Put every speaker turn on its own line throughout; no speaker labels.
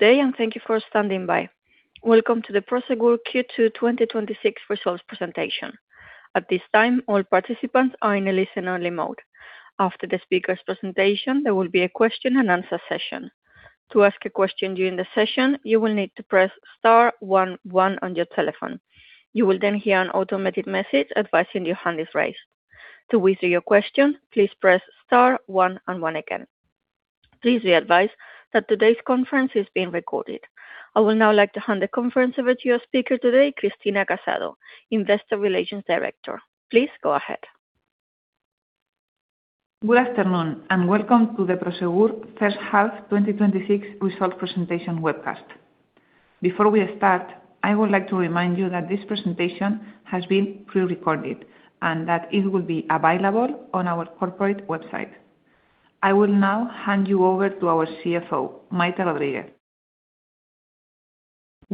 Good day. Thank you for standing by. Welcome to the Prosegur Q2 2026 results presentation. At this time, all participants are in a listen-only mode. After the speaker's presentation, there will be a question and answer session. To ask a question during the session, you will need to press star one one on your telephone. You will then hear an automated message advising your hand is raised. To withdraw your question, please press star one and one again. Please be advised that today's conference is being recorded. I would now like to hand the conference over to our speaker today, Cristina Casado, Investor Relations Director. Please go ahead.
Good afternoon. Welcome to the Prosegur first half 2026 results presentation webcast. Before we start, I would like to remind you that this presentation has been pre-recorded and that it will be available on our corporate website. I will now hand you over to our CFO, Maite Rodríguez.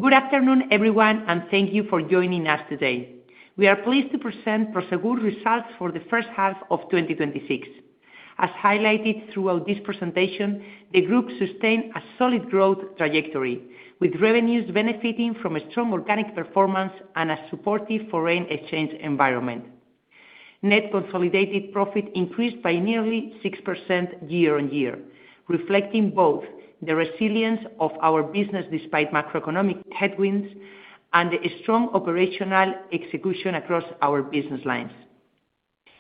Good afternoon, everyone. Thank you for joining us today. We are pleased to present Prosegur results for the first half of 2026. As highlighted throughout this presentation, the group sustained a solid growth trajectory, with revenues benefiting from a strong organic performance and a supportive foreign exchange environment. Net consolidated profit increased by nearly 6% year-on-year, reflecting both the resilience of our business despite macroeconomic headwinds and a strong operational execution across our business lines.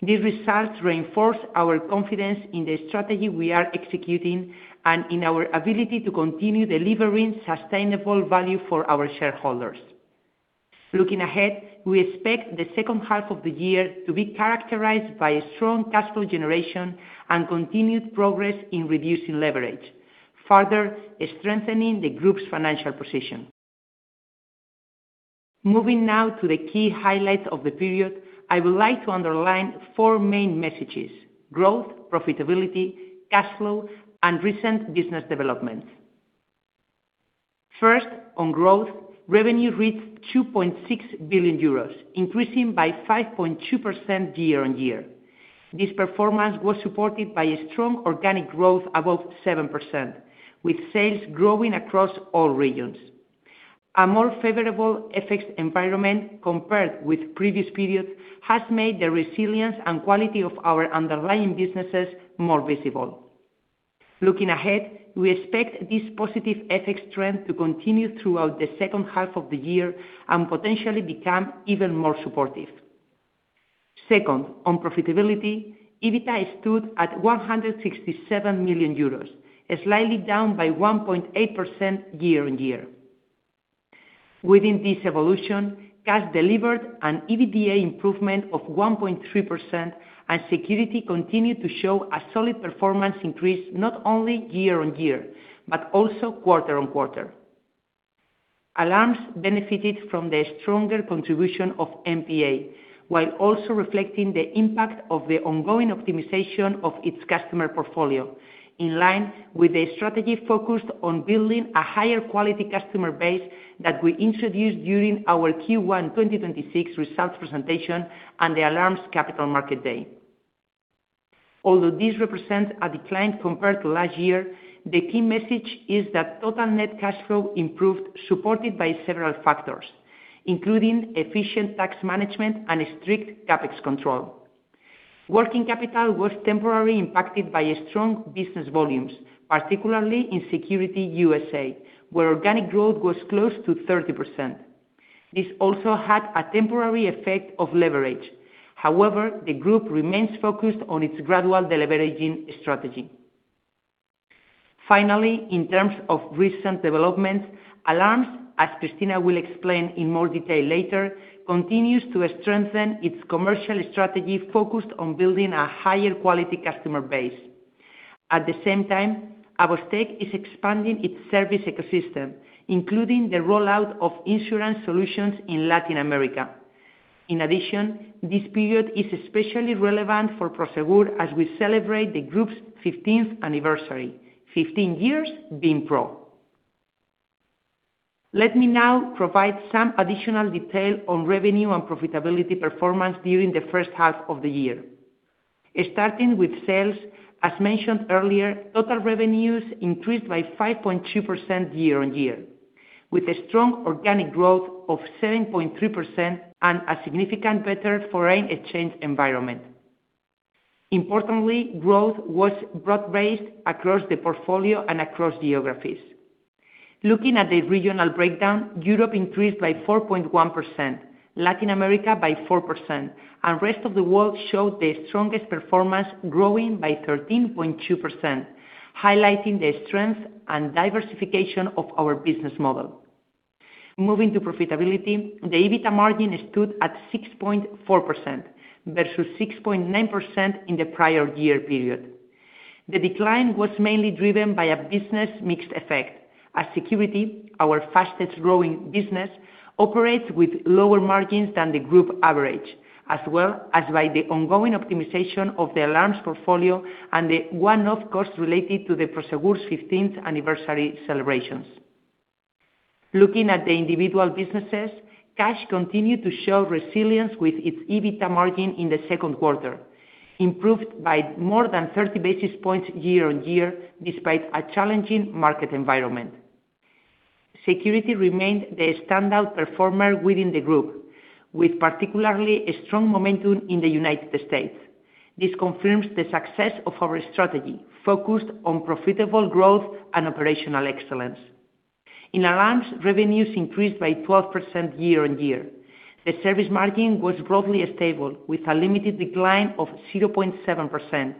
These results reinforce our confidence in the strategy we are executing and in our ability to continue delivering sustainable value for our shareholders. Looking ahead, we expect the second half of the year to be characterized by strong cash flow generation and continued progress in reducing leverage, further strengthening the group's financial position. Moving now to the key highlights of the period, I would like to underline four main messages: growth, profitability, cash flow, and recent business developments. First, on growth, revenue reached 2.6 billion euros, increasing by 5.2% year-on-year. This performance was supported by a strong organic growth above 7%, with sales growing across all regions. A more favorable FX environment compared with previous periods has made the resilience and quality of our underlying businesses more visible. Looking ahead, we expect this positive FX trend to continue throughout the second half of the year and potentially become even more supportive. Second, on profitability, EBITDA stood at 167 million euros, slightly down by 1.8% year-on-year. Within this evolution, Cash delivered an EBITDA improvement of 1.3%. Security continued to show a solid performance increase not only year-on-year, but also quarter-on-quarter. Alarms benefited from the stronger contribution of MPA, while also reflecting the impact of the ongoing optimization of its customer portfolio. In line with a strategy focused on building a higher quality customer base that we introduced during our Q1 2026 results presentation and the Alarms Capital Markets Day. Although this represents a decline compared to last year, the key message is that total net cash flow improved, supported by several factors, including efficient tax management and strict CapEx control. Working capital was temporarily impacted by strong business volumes, particularly in Security USA, where organic growth was close to 30%. This also had a temporary effect of leverage. The group remains focused on its gradual deleveraging strategy. Finally, in terms of recent developments, Alarms, as Cristina will explain in more detail later, continues to strengthen its commercial strategy focused on building a higher quality customer base. At the same time, AVOS Tech is expanding its service ecosystem, including the rollout of insurance solutions in Latin America. In addition, this period is especially relevant for Prosegur as we celebrate the group's 15th anniversary, 15 years being pro. Let me now provide some additional detail on revenue and profitability performance during the first half of the year. Starting with sales, as mentioned earlier, total revenues increased by 5.2% year-on-year, with strong organic growth of 7.3% and a significantly better foreign exchange environment. Importantly, growth was broad-based across the portfolio and across geographies. Looking at the regional breakdown, Europe increased by 4.1%, Latin America by 4%, and rest of the world showed the strongest performance, growing by 13.2%, highlighting the strength and diversification of our business model. Moving to profitability, the EBITDA margin stood at 6.4% versus 6.9% in the prior year period. The decline was mainly driven by a business mix effect as Security, our fastest-growing business, operates with lower margins than the group average, as well as by the ongoing optimization of the Alarms portfolio and the one-off costs related to Prosegur's 15th anniversary celebrations. Looking at the individual businesses, Cash continued to show resilience with its EBITDA margin in the second quarter, improved by more than 30 basis points year-on-year despite a challenging market environment. Security remained the standout performer within the group, with particularly a strong momentum in the United States. This confirms the success of our strategy, focused on profitable growth and operational excellence. In Alarms, revenues increased by 12% year-on-year. The service margin was broadly stable with a limited decline of 0.7%,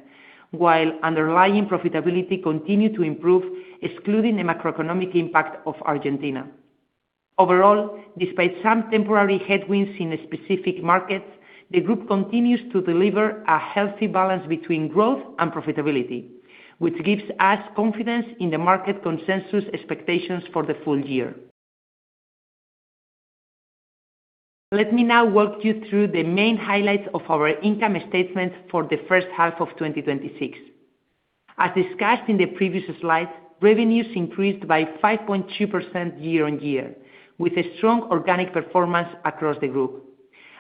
while underlying profitability continued to improve, excluding the macroeconomic impact of Argentina. Overall, despite some temporary headwinds in specific markets, the group continues to deliver a healthy balance between growth and profitability, which gives us confidence in the market consensus expectations for the full year. Let me now walk you through the main highlights of our income statement for the first half of 2026. As discussed in the previous slide, revenues increased by 5.2% year-on-year, with a strong organic performance across the group.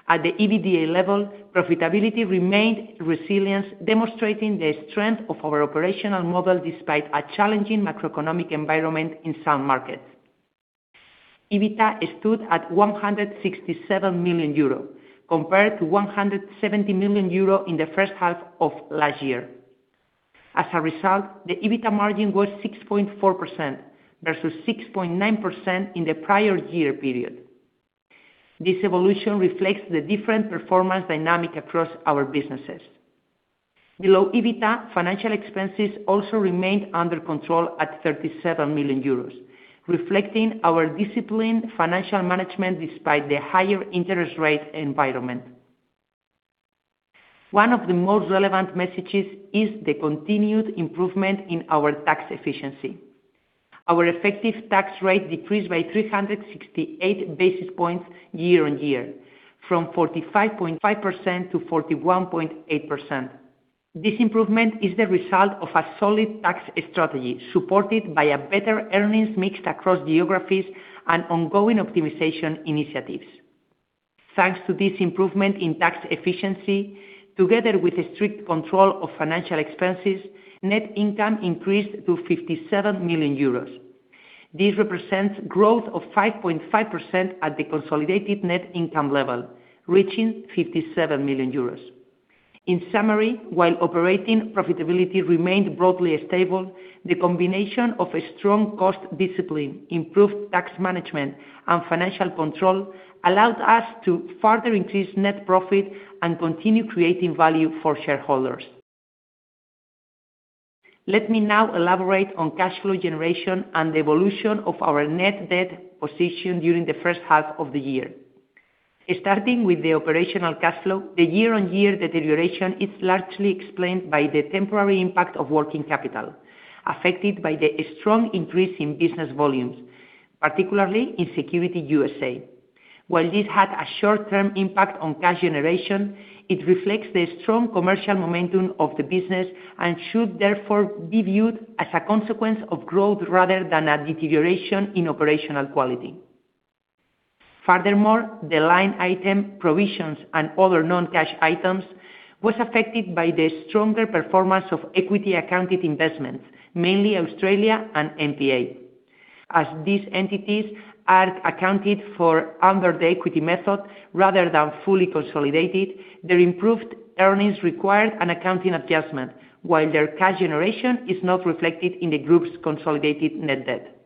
At the EBITDA level, profitability remained resilient, demonstrating the strength of our operational model despite a challenging macroeconomic environment in some markets. EBITDA stood at 167 million euro compared to 170 million euro in the first half of last year. As a result, the EBITDA margin was 6.4% versus 6.9% in the prior year period. This evolution reflects the different performance dynamic across our businesses. Below EBITDA, financial expenses also remained under control at 37 million euros, reflecting our disciplined financial management despite the higher interest rate environment. One of the most relevant messages is the continued improvement in our tax efficiency. Our effective tax rate decreased by 368 basis points year-on-year, from 45.5%-41.8%. This improvement is the result of a solid tax strategy supported by a better earnings mix across geographies and ongoing optimization initiatives. Thanks to this improvement in tax efficiency, together with a strict control of financial expenses, net income increased to 57 million euros. This represents growth of 5.5% at the consolidated net income level, reaching 57 million euros. In summary, while operating profitability remained broadly stable, the combination of a strong cost discipline, improved tax management, and financial control allowed us to further increase net profit and continue creating value for shareholders. Let me now elaborate on cash flow generation and the evolution of our net debt position during the first half of the year. Starting with the operational cash flow, the year-on-year deterioration is largely explained by the temporary impact of working capital, affected by the strong increase in business volumes, particularly in Security USA. While this had a short-term impact on cash generation, it reflects the strong commercial momentum of the business and should therefore be viewed as a consequence of growth rather than a deterioration in operational quality. Furthermore, the line item provisions and other non-cash items was affected by the stronger performance of equity accounted investments, mainly Australia and MPA. As these entities are accounted for under the equity method rather than fully consolidated, their improved earnings required an accounting adjustment, while their cash generation is not reflected in the group's consolidated net debt.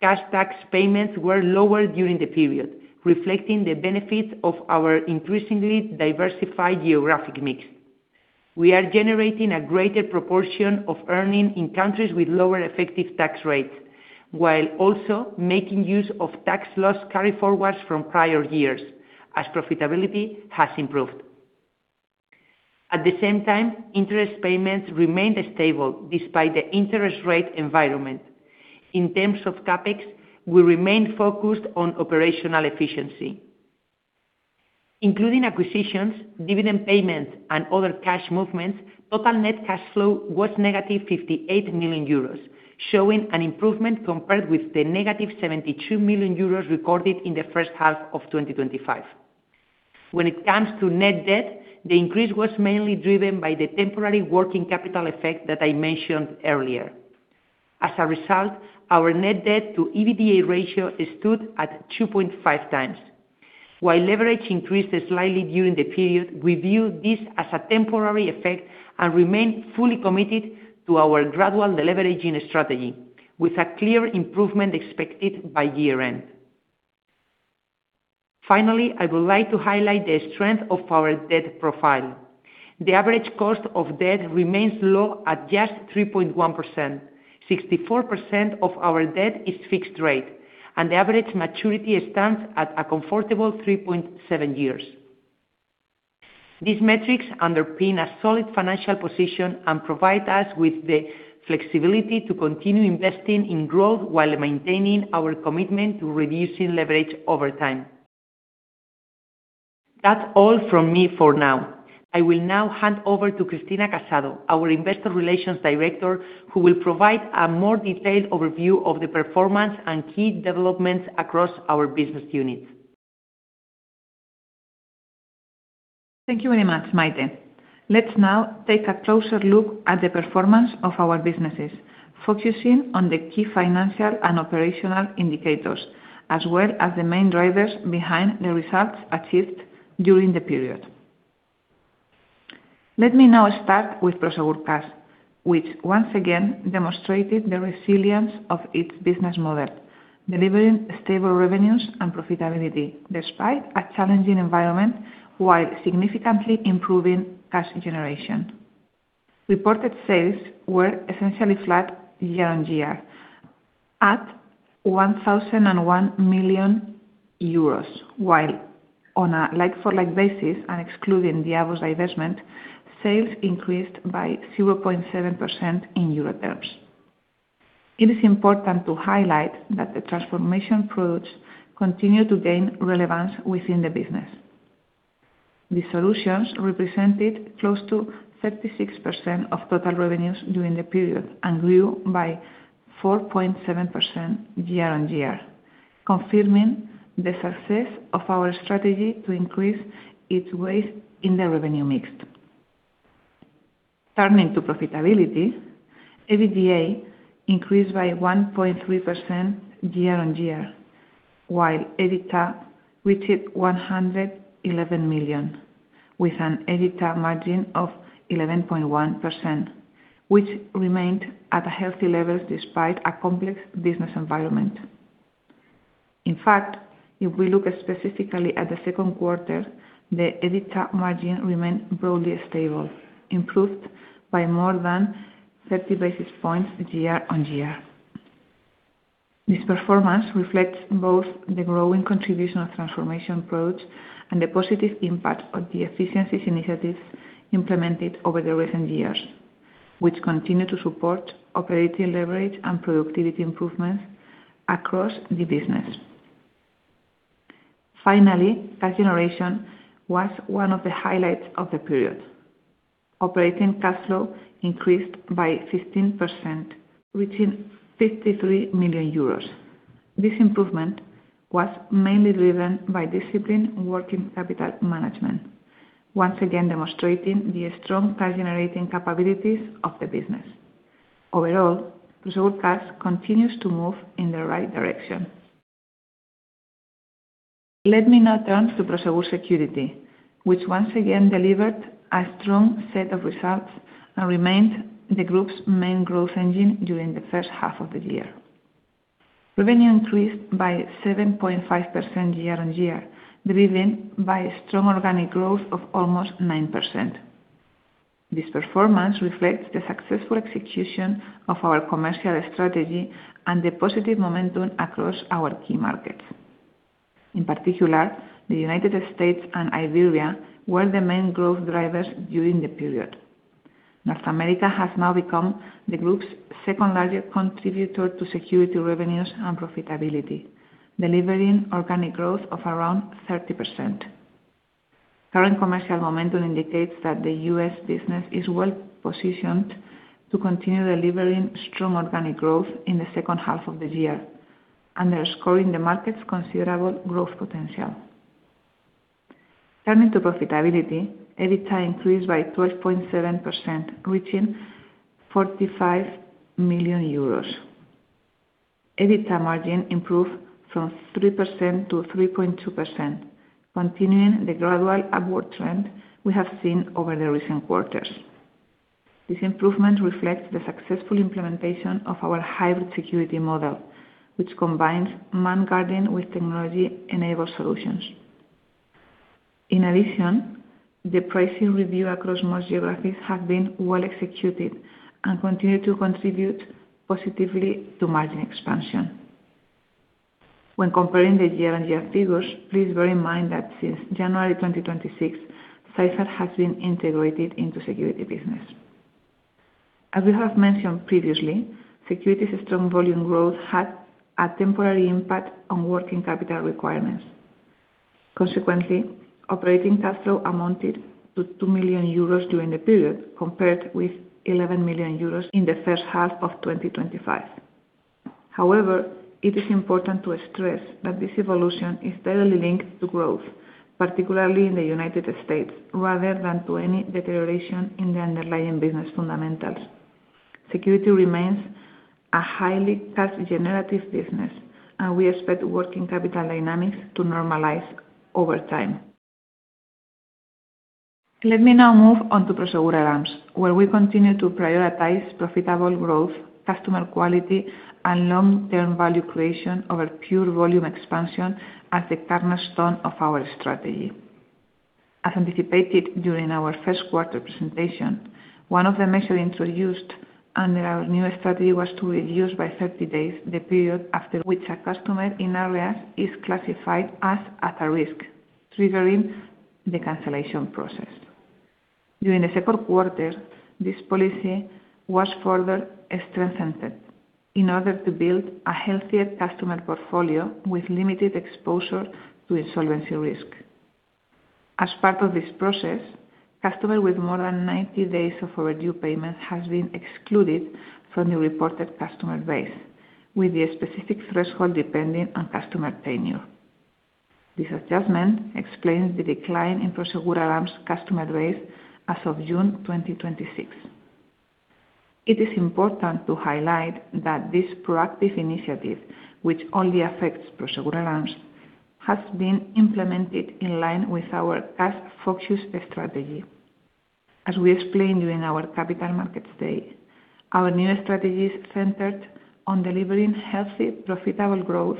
Cash tax payments were lower during the period, reflecting the benefits of our increasingly diversified geographic mix. We are generating a greater proportion of earning in countries with lower effective tax rates, while also making use of tax loss carryforwards from prior years as profitability has improved. At the same time, interest payments remained stable despite the interest rate environment. In terms of CapEx, we remain focused on operational efficiency. Including acquisitions, dividend payments, and other cash movements, total net cash flow was negative 58 million euros, showing an improvement compared with the negative 72 million euros recorded in the first half of 2025. When it comes to net debt, the increase was mainly driven by the temporary working capital effect that I mentioned earlier. As a result, our net debt to EBITDA ratio stood at 2.5x. While leverage increased slightly during the period, we view this as a temporary effect and remain fully committed to our gradual deleveraging strategy with a clear improvement expected by year-end. Finally, I would like to highlight the strength of our debt profile. The average cost of debt remains low at just 3.1%. 64% of our debt is fixed rate, and the average maturity stands at a comfortable 3.7 years. These metrics underpin a solid financial position and provide us with the flexibility to continue investing in growth while maintaining our commitment to reducing leverage over time. That's all from me for now. I will now hand over to Cristina Casado, our investor relations director, who will provide a more detailed overview of the performance and key developments across our business units.
Thank you very much, Maite. Let's now take a closer look at the performance of our businesses, focusing on the key financial and operational indicators, as well as the main drivers behind the results achieved during the period. Let me now start with Prosegur Cash, which once again demonstrated the resilience of its business model, delivering stable revenues and profitability despite a challenging environment while significantly improving cash generation. Reported sales were essentially flat year-on-year at 1,001 million euros, while on a like-for-like basis and excluding the AVOS divestment, sales increased by 0.7% in euro terms. It is important to highlight that the transformation products continue to gain relevance within the business. The solutions represented close to 36% of total revenues during the period and grew by 4.7% year-on-year, confirming the success of our strategy to increase its weight in the revenue mix. Turning to profitability, EBITDA increased by 1.3% year-on-year, while EBITDA reached 111 million, with an EBITDA margin of 11.1%, which remained at healthy levels despite a complex business environment. In fact, if we look specifically at the second quarter, the EBITDA margin remained broadly stable, improved by more than 30 basis points year-on-year. This performance reflects both the growing contribution of transformation approach and the positive impact of the efficiency initiatives implemented over the recent years, which continue to support operating leverage and productivity improvements across the business. Finally, cash generation was one of the highlights of the period. Operating cash flow increased by 15%, reaching 53 million euros. This improvement was mainly driven by disciplined working capital management, once again demonstrating the strong cash generating capabilities of the business. Overall, Prosegur Cash continues to move in the right direction. Let me now turn to Prosegur Security, which once again delivered a strong set of results and remained the group's main growth engine during the first half of the year. Revenue increased by 7.5% year-on-year, driven by strong organic growth of almost 9%. This performance reflects the successful execution of our commercial strategy and the positive momentum across our key markets. In particular, the U.S. and Iberia were the main growth drivers during the period. North America has now become the group's second largest contributor to security revenues and profitability, delivering organic growth of around 30%. Current commercial momentum indicates that the U.S. business is well-positioned to continue delivering strong organic growth in the second half of the year, underscoring the market's considerable growth potential. Turning to profitability, EBITDA increased by 12.7%, reaching 45 million euros. EBITDA margin improved from 3%-3.2%, continuing the gradual upward trend we have seen over the recent quarters. This improvement reflects the successful implementation of our Hybrid Security model, which combines manned guarding with technology-enabled solutions. In addition, the pricing review across most geographies has been well executed and continue to contribute positively to margin expansion. When comparing the year-on-year figures, please bear in mind that since January 2026, Cipher has been integrated into the security business. As we have mentioned previously, security's strong volume growth had a temporary impact on working capital requirements. Consequently, operating cash flow amounted to 2 million euros during the period, compared with 11 million euros in the first half of 2025. However, it is important to stress that this evolution is directly linked to growth, particularly in the U.S., rather than to any deterioration in the underlying business fundamentals. Security remains a highly cash generative business, and we expect working capital dynamics to normalize over time. Let me now move on to Prosegur Alarms, where we continue to prioritize profitable growth, customer quality, and long-term value creation over pure volume expansion as the cornerstone of our strategy. As anticipated during our first quarter presentation, one of the measures introduced under our new strategy was to reduce by 30 days the period after which a customer in arrears is classified as at a risk, triggering the cancellation process. During the second quarter, this policy was further strengthened in order to build a healthier customer portfolio with limited exposure to insolvency risk. As part of this process, customer with more than 90 days of overdue payment has been excluded from the reported customer base, with the specific threshold depending on customer tenure. This adjustment explains the decline in Prosegur Alarms customer base as of June 2026. It is important to highlight that this proactive initiative, which only affects Prosegur Alarms, has been implemented in line with our cash-focused strategy. As we explained during our Capital Markets Day, our new strategy is centered on delivering healthy, profitable growth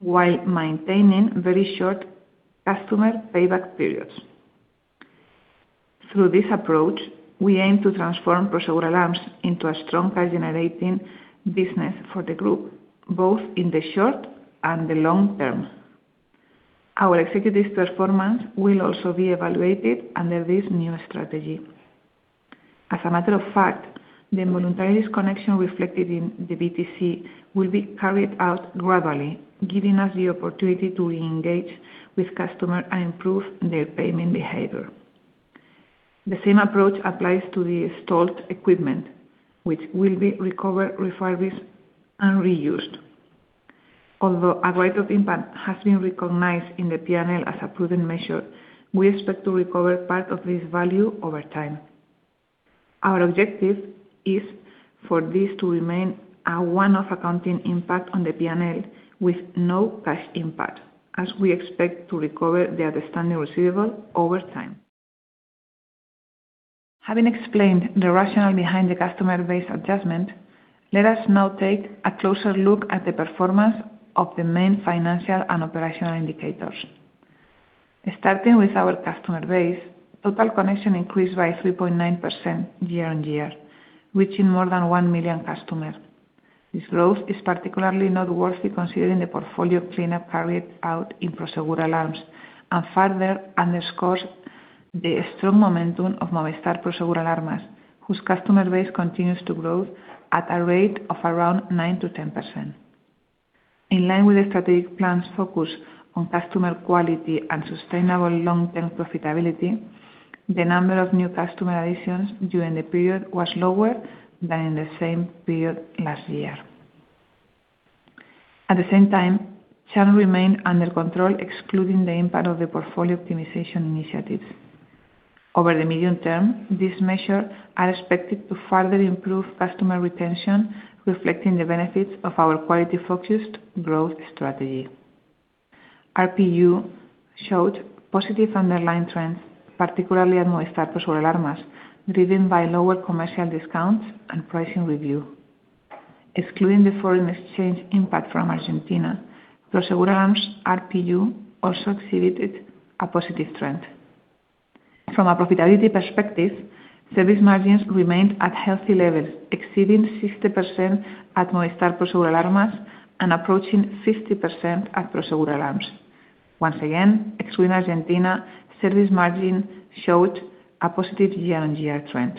while maintaining very short customer payback periods. Through this approach, we aim to transform Prosegur Alarms into a strong cash-generating business for the group, both in the short and the long term. Our executives' performance will also be evaluated under this new strategy. As a matter of fact, the voluntary disconnection reflected in the B2C will be carried out gradually, giving us the opportunity to re-engage with customer and improve their payment behavior. The same approach applies to the installed equipment, which will be recovered, refurbished, and reused. Although a write-off impact has been recognized in the P&L as a prudent measure, we expect to recover part of this value over time. Our objective is for this to remain a one-off accounting impact on the P&L with no cash impact, as we expect to recover the outstanding receivable over time. Having explained the rationale behind the customer base adjustment, let us now take a closer look at the performance of the main financial and operational indicators. Starting with our customer base, total connection increased by 3.9% year-on-year, reaching more than 1 million customers. This growth is particularly noteworthy considering the portfolio cleanup carried out in Prosegur Alarms and further underscores the strong momentum of Movistar Prosegur Alarmas, whose customer base continues to grow at a rate of around 9%-10%. In line with the strategic plan's focus on customer quality and sustainable long-term profitability, the number of new customer additions during the period was lower than in the same period last year. At the same time, churn remained under control, excluding the impact of the portfolio optimization initiatives. Over the medium term, these measures are expected to further improve customer retention, reflecting the benefits of our quality-focused growth strategy. RPU showed positive underlying trends, particularly at Movistar Prosegur Alarmas, driven by lower commercial discounts and pricing review. Excluding the foreign exchange impact from Argentina, Prosegur Alarms RPU also exhibited a positive trend. From a profitability perspective, service margins remained at healthy levels, exceeding 60% at Movistar Prosegur Alarmas and approaching 50% at Prosegur Alarms. Once again, excluding Argentina, service margin showed a positive year-on-year trend.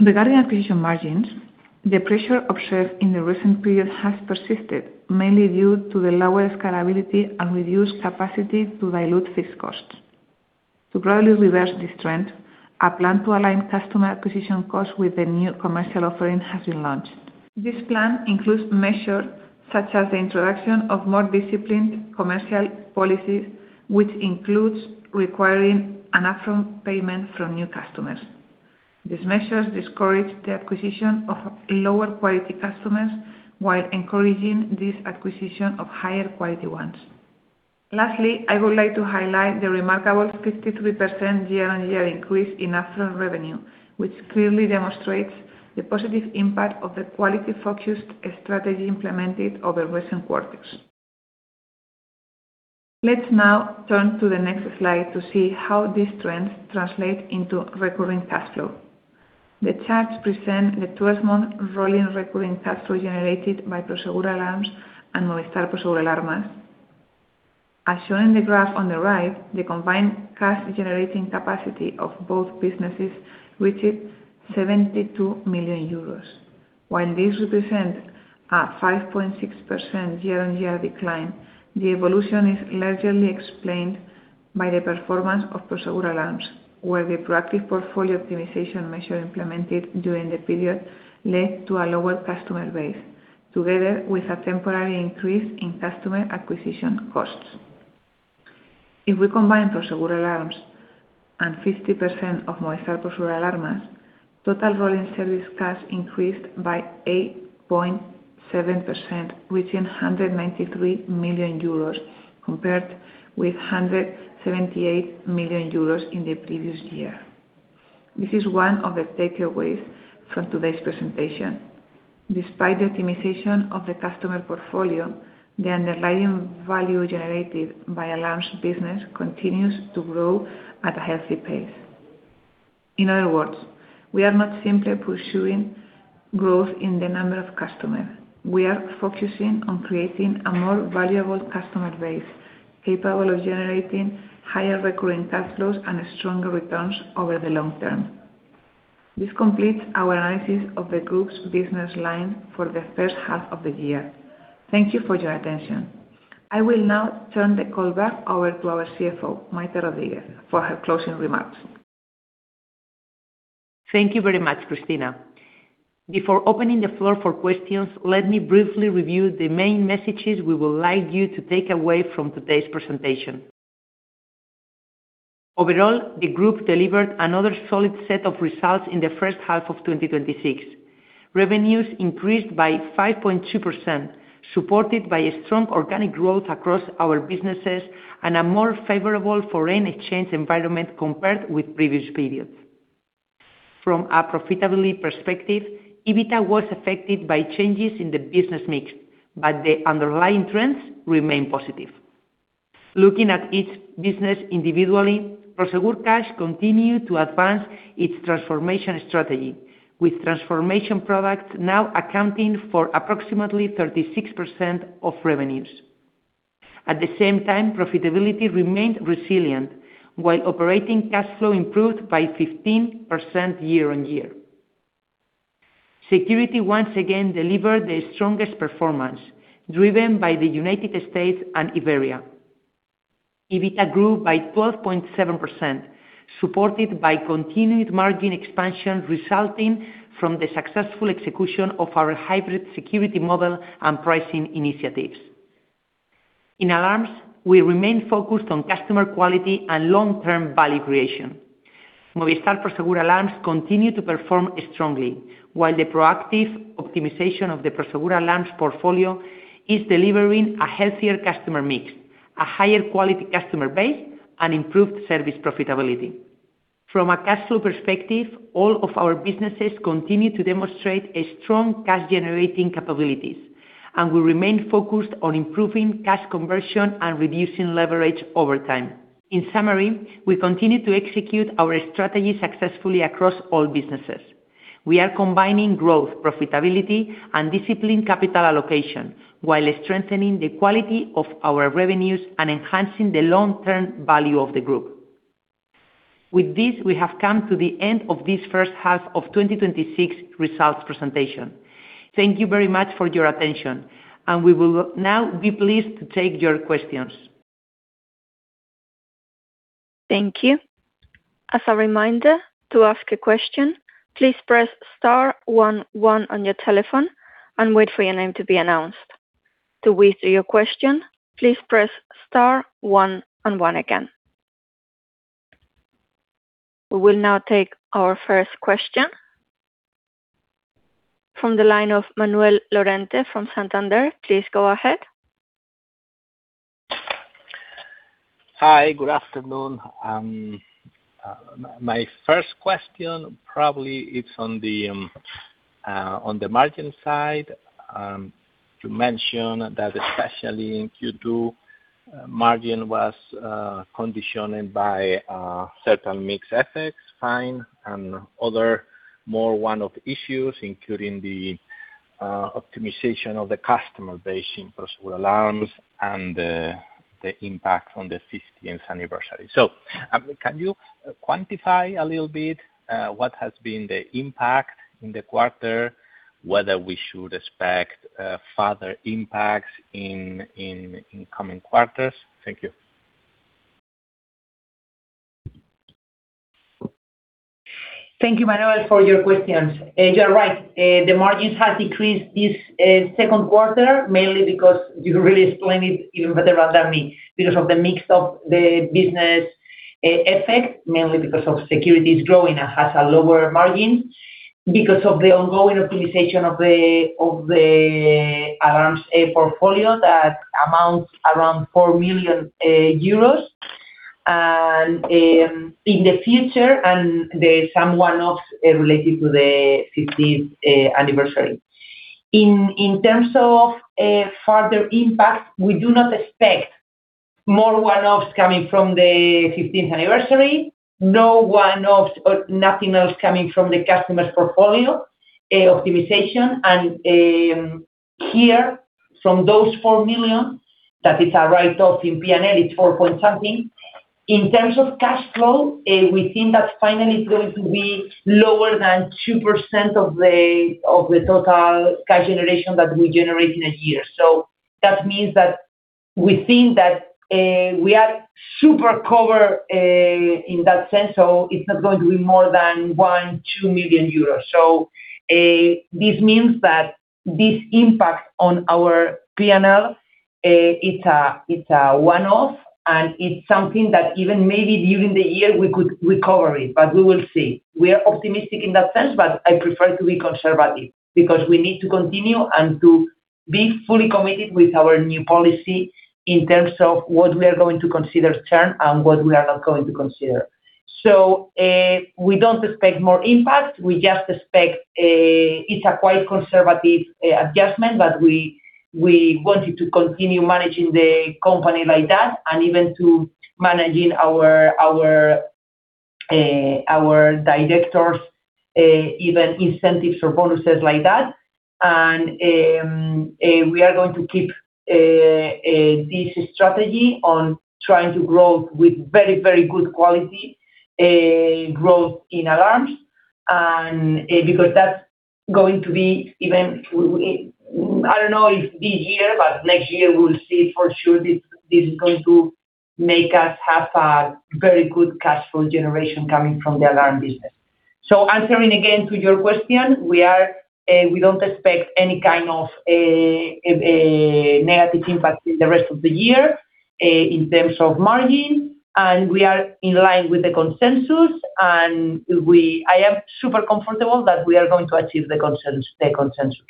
Regarding acquisition margins, the pressure observed in the recent period has persisted, mainly due to the lower scalability and reduced capacity to dilute fixed costs. To broadly reverse this trend, a plan to align customer acquisition costs with the new commercial offering has been launched. This plan includes measures such as the introduction of more disciplined commercial policies, which includes requiring an upfront payment from new customers. These measures discourage the acquisition of lower quality customers while encouraging this acquisition of higher quality ones. Lastly, I would like to highlight the remarkable 53% year-on-year increase in upfront revenue, which clearly demonstrates the positive impact of the quality-focused strategy implemented over recent quarters. Let's now turn to the next slide to see how these trends translate into recurring cash flow. The charts present the 12-month rolling recurring cash flow generated by Prosegur Alarms and Movistar Prosegur Alarmas. As shown in the graph on the right, the combined cash generating capacity of both businesses reached 72 million euros. While this represents a 5.6% year-on-year decline, the evolution is largely explained by the performance of Prosegur Alarms, where the proactive portfolio optimization measure implemented during the period led to a lower customer base, together with a temporary increase in customer acquisition costs. If we combine Prosegur Alarms and 50% of Movistar Prosegur Alarmas, total rolling service cash increased by 8.7%, reaching 193 million euros compared with 178 million euros in the previous year. This is one of the takeaways from today's presentation. Despite the optimization of the customer portfolio, the underlying value generated by Alarms business continues to grow at a healthy pace. In other words, we are not simply pursuing growth in the number of customers. We are focusing on creating a more valuable customer base, capable of generating higher recurring cash flows and stronger returns over the long term. This completes our analysis of the group's business line for the first half of the year. Thank you for your attention. I will now turn the call back over to our CFO, Maite Rodríguez, for her closing remarks.
Thank you very much, Cristina. Before opening the floor for questions, let me briefly review the main messages we would like you to take away from today's presentation. Overall, the group delivered another solid set of results in the first half of 2026. Revenues increased by 5.2%, supported by strong organic growth across our businesses and a more favorable foreign exchange environment compared with previous periods. From a profitability perspective, EBITDA was affected by changes in the business mix, but the underlying trends remain positive. Looking at each business individually, Prosegur Cash continued to advance its transformation strategy, with transformation products now accounting for approximately 36% of revenues. At the same time, profitability remained resilient while operating cash flow improved by 15% year-on-year. Security once again delivered the strongest performance, driven by the U.S. and Iberia. EBITDA grew by 12.7%, supported by continued margin expansion resulting from the successful execution of our Hybrid Security model and pricing initiatives. In alarms, we remain focused on customer quality and long-term value creation. Movistar Prosegur Alarmas continue to perform strongly, while the proactive optimization of the Prosegur Alarms portfolio is delivering a healthier customer mix, a higher quality customer base, and improved service profitability. From a cash flow perspective, all of our businesses continue to demonstrate strong cash-generating capabilities, and we remain focused on improving cash conversion and reducing leverage over time. In summary, we continue to execute our strategy successfully across all businesses. We are combining growth, profitability, and disciplined capital allocation while strengthening the quality of our revenues and enhancing the long-term value of the group. With this, we have come to the end of this first half of 2026 results presentation. Thank you very much for your attention, and we will now be pleased to take your questions.
Thank you. As a reminder, to ask a question, please press star one one on your telephone and wait for your name to be announced. To withdraw your question, please press star one and one again. We will now take our first question. From the line of Manuel Lorente from Santander, please go ahead.
Hi, good afternoon. My first question probably is on the margin side. You mentioned that especially in Q2, margin was conditioned by certain mix effects, fine, and other more one-off issues, including the optimization of the customer base in Prosegur Alarms and the impact on the 50th anniversary. Can you quantify a little bit what has been the impact in the quarter, whether we should expect further impacts in coming quarters? Thank you.
Thank you, Manuel, for your questions. You're right. The margins have decreased this second quarter, mainly because you really explained it even better than me, because of the mix of the business effect, mainly because of security is growing and has a lower margin, because of the ongoing optimization of the alarms portfolio that amounts around EUR 4 million in the future, and there is some one-offs related to the 50th anniversary. In terms of further impact, we do not expect more one-offs coming from the 50th anniversary, no one-offs or nothing else coming from the customer's portfolio optimization. Here, from those 4 million, that is a write-off in P&L, it's four point something. In terms of cash flow, we think that finally it's going to be lower than 2% of the total cash generation that we generate in a year. That means that we think that we are super covered in that sense. It's not going to be more than 1 million, 2 million euros. This means that this impact on our P&L, it's a one-off, and it's something that even maybe during the year we could recover it, but we will see. We are optimistic in that sense, but I prefer to be conservative because we need to continue and to be fully committed with our new policy in terms of what we are going to consider churn and what we are not going to consider. We don't expect more impact. We just expect it's a quite conservative adjustment that we wanted to continue managing the company like that, and even to managing our directors, even incentives or bonuses like that. We are going to keep this strategy on trying to grow with very good quality growth in alarms. Because that's going to be even, I don't know if this year, but next year, we'll see for sure this is going to make us have a very good cash flow generation coming from the alarm business. Answering again to your question, we don't expect any kind of a negative impact in the rest of the year in terms of margin. We are in line with the consensus, and I am super comfortable that we are going to achieve the consensus.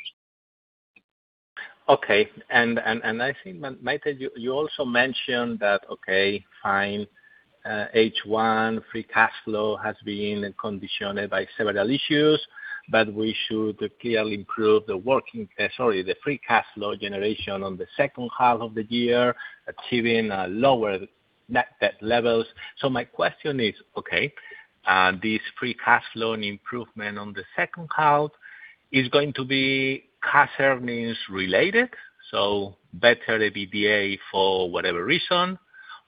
Okay. I think, Maite, you also mentioned that, okay, fine, H1 free cash flow has been conditioned by several issues, but we should clearly improve the free cash flow generation on the second half of the year, achieving lower net debt levels. My question is, okay, this free cash flow improvement on the second half is going to be cash earnings related, so better EBITDA for whatever reason,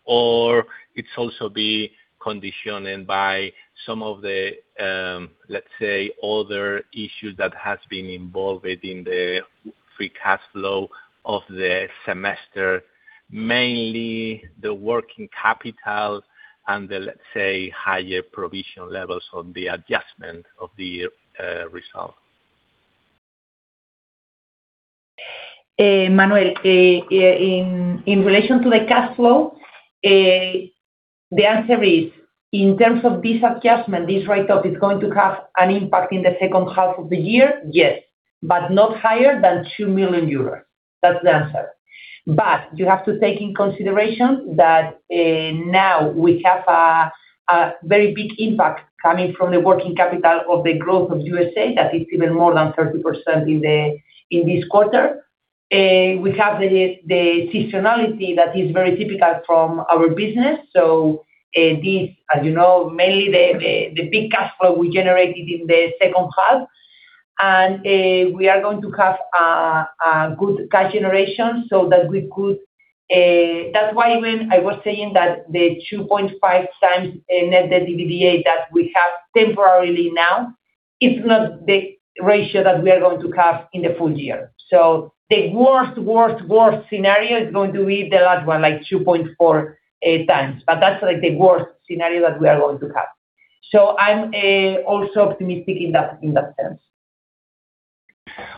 or it's also be conditioned by some of the, let's say, other issues that has been involved in the free cash flow of the semester, mainly the working capital and the, let's say, higher provision levels on the adjustment of the result?
Manuel, in relation to the cash flow, the answer is, in terms of this adjustment, this write-off is going to have an impact in the second half of the year, yes, but not higher than 2 million euros. That's the answer. You have to take in consideration that now we have a very big impact coming from the working capital of the growth of USA that is even more than 30% in this quarter. We have the seasonality that is very typical from our business. This, as you know, mainly the big cash flow we generated in the second half. We are going to have a good cash generation. That's why when I was saying that the 2.5x net debt to EBITDA that we have temporarily now, it's not the ratio that we are going to have in the full year. The worst scenario is going to be the last one, like 2.4x. That's the worst scenario that we are going to have. I'm also optimistic in that sense.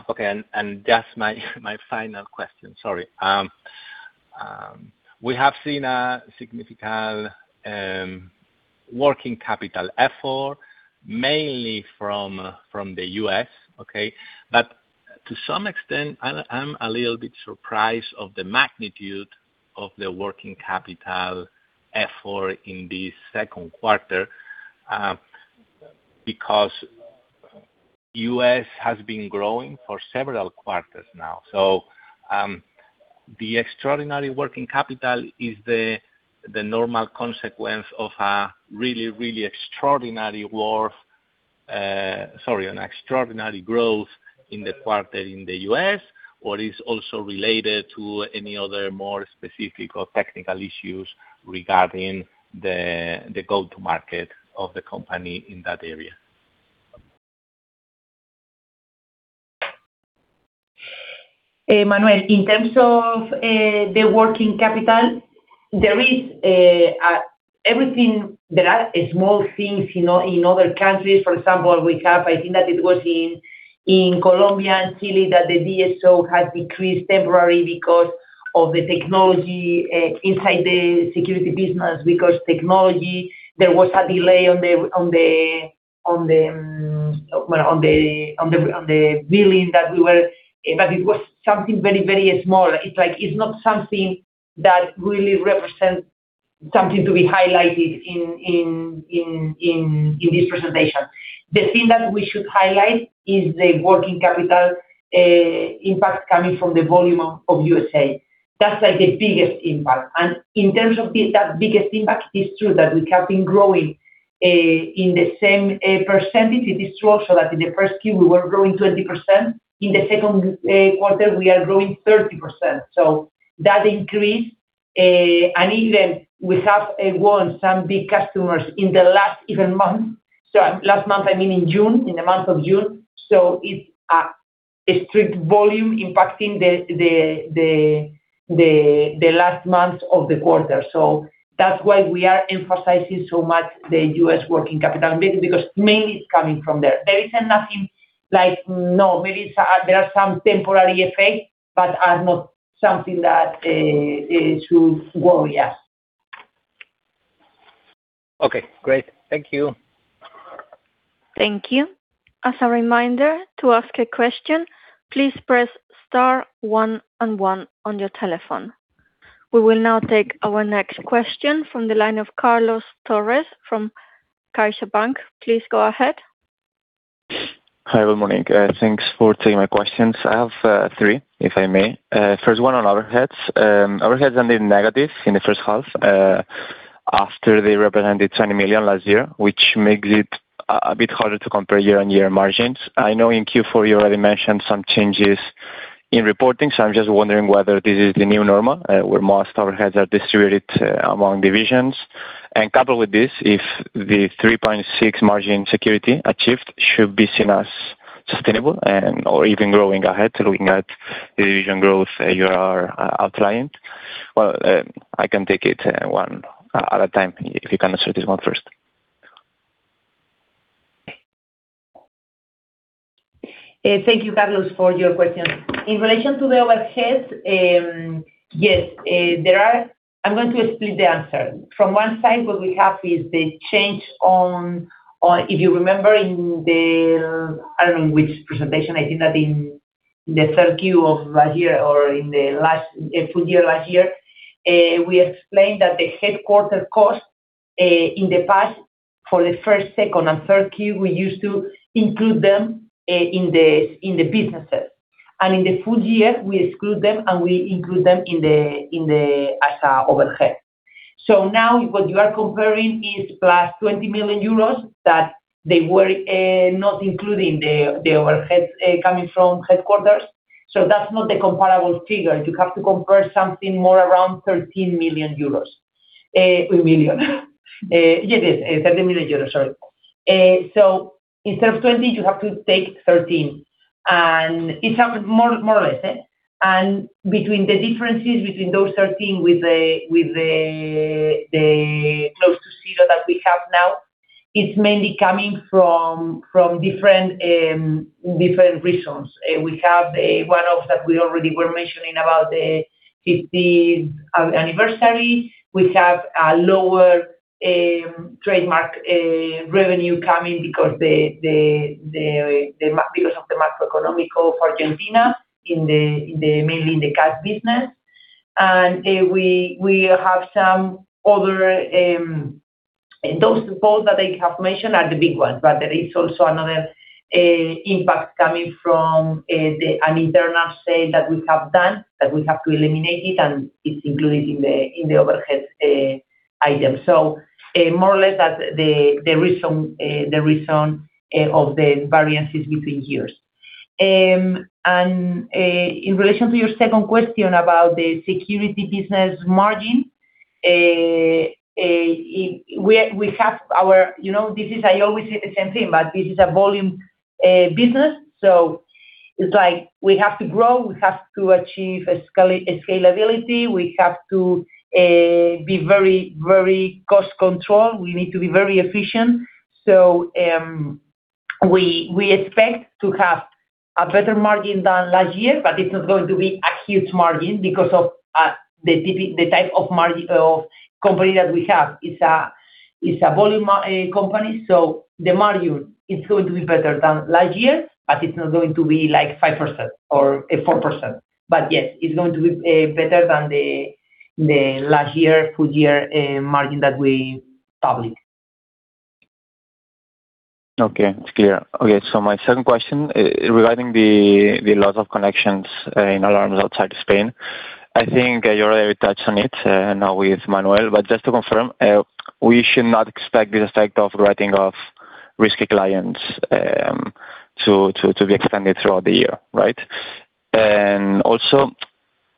Okay, and just my final question, sorry. We have seen a significant working capital effort, mainly from the U.S., okay? To some extent, I'm a little bit surprised of the magnitude of the working capital effort in this second quarter, because the U.S. has been growing for several quarters now. The extraordinary working capital is the normal consequence of a really extraordinary growth in the quarter in the U.S. or is also related to any other more specific or technical issues regarding the go-to-market of the company in that area.
Manuel, in terms of the working capital, there are small things in other countries. For example, we have, I think that it was in Colombia and Chile that the DSO has decreased temporarily because of the technology inside the security business, because technology, there was a delay on the billing that we were. It was something very small. It's not something that really represents something to be highlighted in this presentation. The thing that we should highlight is the working capital impact coming from the volume of the U.S. That's the biggest impact. In terms of that biggest impact, it's true that we have been growing in the same percentage. It is true also that in the first Q, we were growing 20%. In the second quarter, we are growing 30%. That increased. Even we have won some big customers in the last even month. Last month, I mean in June, in the month of June. It's a strict volume impacting the last month of the quarter. That's why we are emphasizing so much the U.S. working capital, because mainly it's coming from there. There isn't nothing like, no, maybe there are some temporary effects, but are not something that should worry us.
Okay, great. Thank you.
Thank you. As a reminder, to ask a question, please press star one and one on your telephone. We will now take our next question from the line of Carlos Torres from CaixaBank. Please go ahead.
Hi, good morning. Thanks for taking my questions. I have three, if I may. First one on overheads. Overheads ended negative in the first half after they represented 20 million last year, which makes it a bit harder to compare year-on-year margins. I know in Q4 you already mentioned some changes in reporting, so I'm just wondering whether this is the new normal, where most overheads are distributed among divisions. Coupled with this, if the 3.6% margin security achieved should be seen as sustainable and/or even growing ahead looking at the division growth you are outlining. Well, I can take it one at a time, if you can answer this one first.
Thank you, Carlos, for your question. In relation to the overhead, yes, I'm going to split the answer. From one side, what we have is the change on, if you remember, I don't know which presentation, I think that in the third Q of last year or in the full year last year, we explained that the headquarter cost, in the past, for the first, second, and third Q, we used to include them in the businesses. In the full year, we exclude them, and we include them as overhead. Now what you are comparing is +20 million euros that they were not including the overhead coming from headquarters. That's not the comparable figure. You have to compare something more around 13 million euros. Yes, 13 million euros, sorry. Instead of 20 million, you have to take 13 million, more or less. Between the differences between those 13 million with the close to zero that we have now, it is mainly coming from different reasons. We have a one-off that we already were mentioning about the 50th anniversary. We have a lower trademark revenue coming because of the macroeconomic of Argentina mainly in the cash business. Those two poles that I have mentioned are the big ones, but there is also another impact coming from an internal sale that we have done, that we have to eliminate it, and it is included in the overhead item. More or less the reason of the variances between years. In relation to your second question about the security business margin, I always say the same thing, but this is a volume business, it is like we have to grow, we have to achieve scalability, we have to be very cost control, we need to be very efficient. We expect to have a better margin than last year, but it is not going to be a huge margin because of the type of company that we have. It is a volume company, so the margin is going to be better than last year, but it is not going to be 5% or 4%. Yes, it is going to be better than the last year, full year margin that we published.
Okay, it is clear. My second question, regarding the loss of connections in alarms outside Spain. I think you already touched on it, now with Manuel, but just to confirm, we should not expect this effect of writing off risky clients to be extended throughout the year, right?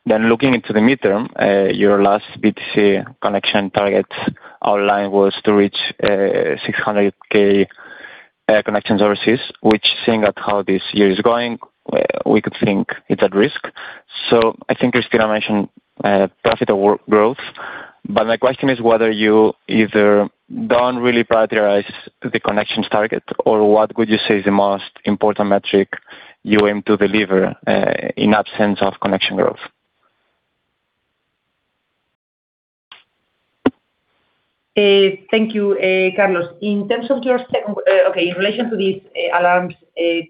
Looking into the midterm, your last B2C connection target outline was to reach 600,000 connection services, which seeing at how this year is going, we could think it is at risk. I think Cristina mentioned profitable growth. My question is whether you either don't really prioritize the connections target, or what would you say is the most important metric you aim to deliver in absence of connection growth?
Thank you, Carlos. In relation to this alarms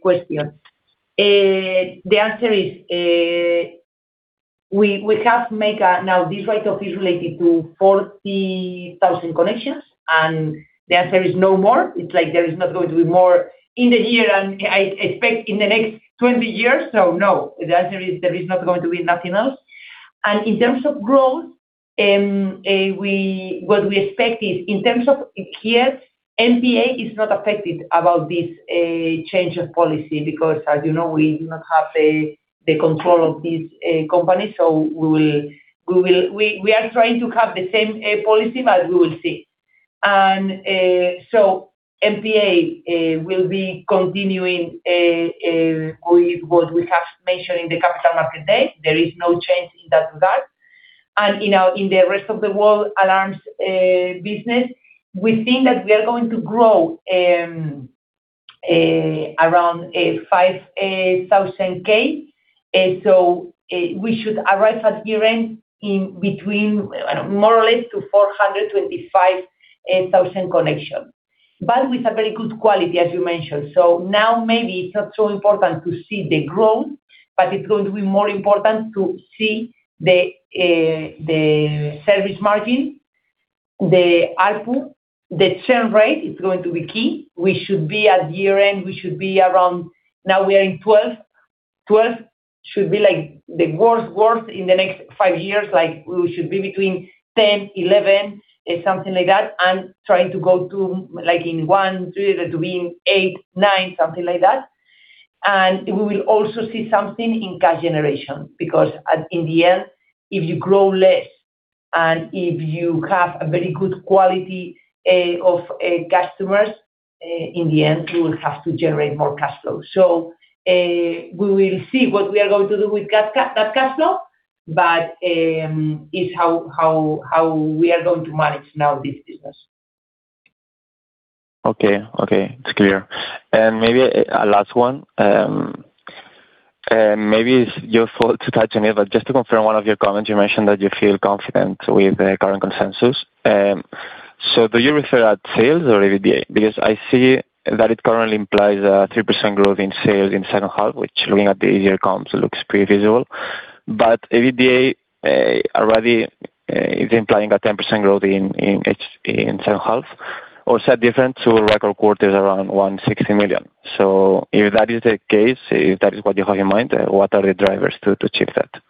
question, the answer is, now this write-off is related to 40,000 connections, and the answer is no more. It is like there is not going to be more in the year, and I expect in the next 20 years. No, the answer is there is not going to be nothing else. In terms of growth, what we expect is, in terms of here, MPA is not affected about this change of policy because, as you know, we do not have the control of this company. We are trying to have the same policy, but we will see. MPA will be continuing with what we have mentioned in the Capital Markets Day. There is no change in regard to that. In the rest of the world alarms business, we think that we are going to grow around 5,000. We should arrive at year-end in between, more or less, 425,000 connections. But with a very good quality, as you mentioned. Now maybe it is not so important to see the growth, but it is going to be more important to see the service margin. The ARPU, the churn rate is going to be key. We should be at year-end, we should be around, now we are in 12%. Twelve should be the worst in the next five years. We should be between 10%, 11%, something like that, and trying to go to, in one to two years, to be in eight, nine, something like that. And we will also see something in cash generation, because in the end, if you grow less, and if you have a very good quality of customers, in the end, you will have to generate more cash flow. We will see what we are going to do with that cash flow, but it is how we are going to manage now this business.
Okay. It's clear. Maybe a last one. Maybe it's your fault to touch on it, but just to confirm one of your comments, you mentioned that you feel confident with the current consensus. Do you refer at sales or EBITDA? Because I see that it currently implies a 3% growth in sales in second half, which looking at the easier comps, looks pretty visible. But EBITDA already is implying a 10% growth in second half. Also different to a record quarter is around 160 million. If that is the case, if that is what you have in mind, what are the drivers to achieve that?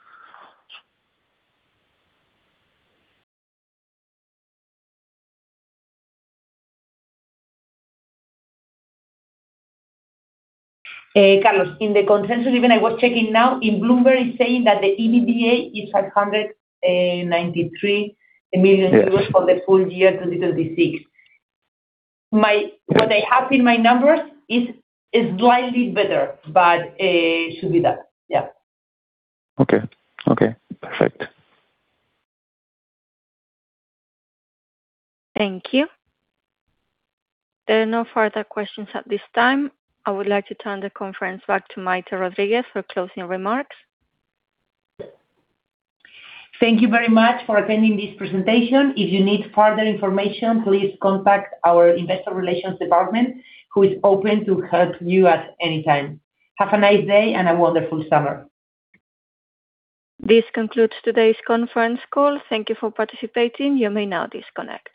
Carlos, in the consensus, even I was checking now, and Bloomberg is saying that the EBITDA is 193 million euros for the full year 2026. What I have in my numbers is slightly better, but it should be that. Yeah.
Okay. Perfect.
Thank you. There are no further questions at this time. I would like to turn the conference back to Maite Rodríguez for closing remarks.
Thank you very much for attending this presentation. If you need further information, please contact our investor relations department, who is open to help you at any time. Have a nice day and a wonderful summer.
This concludes today's conference call. Thank you for participating. You may now disconnect.